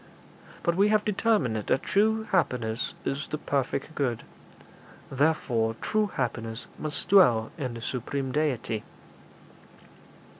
But we have determined that true happiness is the perfect good; therefore true happiness must dwell in the supreme Deity.'